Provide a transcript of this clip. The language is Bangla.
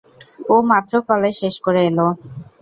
ও মাত্র কলেজ শেষ করে এলো।